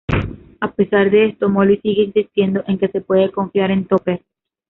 A pesar de esto, Molly sigue insistiendo en que se puede confiar en Topher.